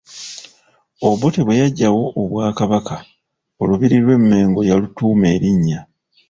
Obote bwe yaggyawo Obwakabaka, olubiri lw’e Mengo yalutuuma erinnya.